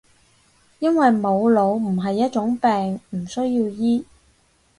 因為冇腦唔係一種病，唔需要醫